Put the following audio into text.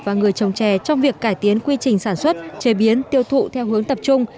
và người trồng chè trong việc cải tiến quy trình sản xuất chế biến tiêu thụ theo hướng tập trung